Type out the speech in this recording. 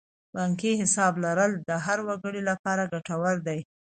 بانکي حساب لرل د هر وګړي لپاره ګټور دی.